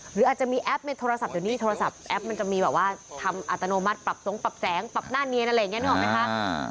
หรืออาจจะมีแอปในโทรศัพท์อยู่นี้แอปมันจะมีแบบว่าทำอัตโนมัติปรับทรงปรับแสงปรับหน้าเนียนอะไรอย่างนี้